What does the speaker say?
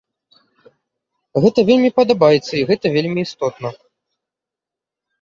Гэта вельмі падабаецца, і гэта вельмі істотна.